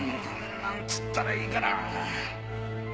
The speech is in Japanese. なんつったらいいかな。